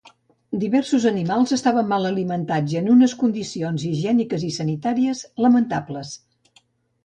Diversos animals estaven mal alimentats i en unes condicions higièniques i sanitàries lamentables.